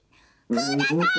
「ください。